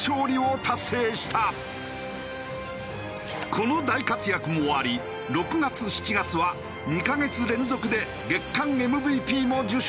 この大活躍もあり６月７月は２カ月連続で月間ＭＶＰも受賞。